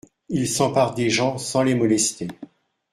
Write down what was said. Il s'empare des gens sans les molester.